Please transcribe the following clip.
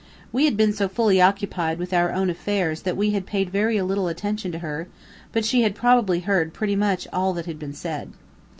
We had been so fully occupied with our own affairs that we had paid very little attention to her, but she had probably heard pretty much all that had been said.